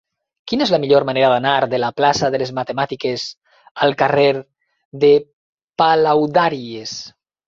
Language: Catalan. Quina és la millor manera d'anar de la plaça de les Matemàtiques al carrer de Palaudàries?